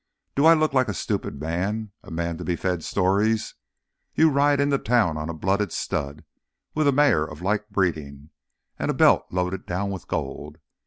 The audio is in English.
"Do I look like a stupid man, a man to be fed stories? You ride into town on a blooded stud, with a mare of like breeding, and a belt loaded down with gold.